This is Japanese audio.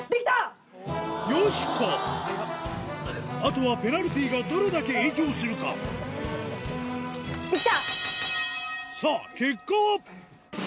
よしこあとはペナルティーがどれだけ影響するかできた！